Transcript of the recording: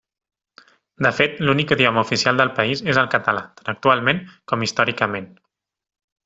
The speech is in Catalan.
De fet, l'únic idioma oficial del país és el català, tant actualment com històricament.